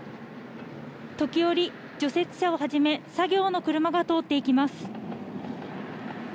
時折、除雪車をはじめ作業の車が通っていきます。